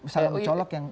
salif colok yang